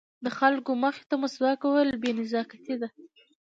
د خلکو مخې ته مسواک وهل بې نزاکتي ده.